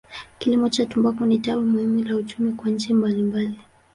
Kilimo cha tumbaku ni tawi muhimu la uchumi kwa nchi mbalimbali.